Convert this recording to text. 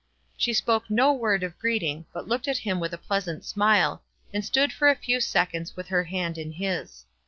She spoke no word of greeting, but looked at him with a pleasant smile, and stood for a few seconds with her hand in his.